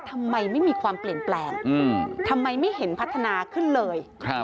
ทำไมไม่มีความเปลี่ยนแปลงทำไมไม่เห็นพัฒนาขึ้นเลย